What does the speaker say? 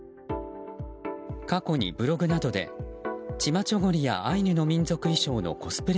過去にブログなどでチマ・チョゴリやアイヌの民族衣装のコスプレ